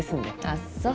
あっそう。